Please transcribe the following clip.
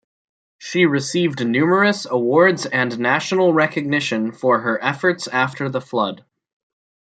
She received numerous awards and national recognition for her efforts after the flood.